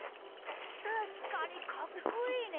たしかにかっこいいね！